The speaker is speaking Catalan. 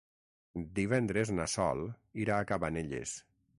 Divendres na Sol irà a Cabanelles.